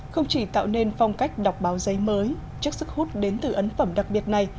không chỉ tạo nên phong cách đọc báo giấy mới trước sức hút đến từ ấn phẩm đặc biệt này